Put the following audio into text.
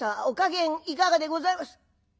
お加減いかがでございます？」。